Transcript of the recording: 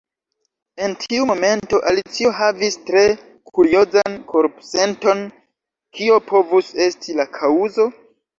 En tiu momento Alicio havis tre kuriozan korpsenton. Kio povus esti la kaŭzo?